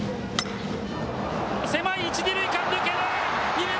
狭い一・二塁間抜ける。